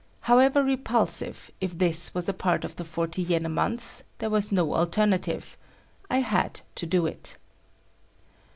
However repulsive, if this was a part of the forty yen a month, there was no alternative. I had to do it.